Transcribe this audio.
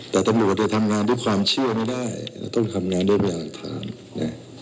แต่ตำรวจจะทำงานด้วยความเชื่อไม่ได้เราต้องทำงานด้วยพยานอันทางเนี่ย